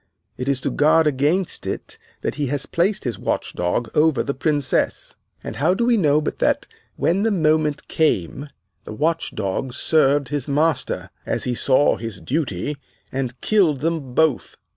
It is to guard against it that he has placed his watchdog over the Princess, and how do we know but that, when the moment came, the watchdog served his master, as he saw his duty, and killed them both?